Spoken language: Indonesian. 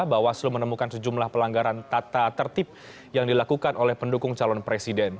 bawaslu menemukan sejumlah pelanggaran tata tertib yang dilakukan oleh pendukung calon presiden